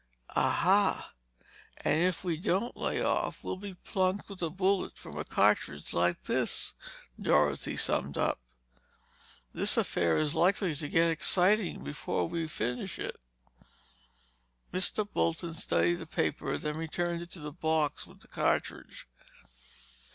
"Aha! And if we don't lay off, we'll be plunked with a bullet from a cartridge like this!" Dorothy summed up. "This affair is likely to get exciting before we finish it." Mr. Bolton studied the paper then returned it to the box with the cartridge.